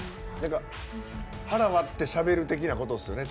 腹、割ってしゃべる的なことですよね。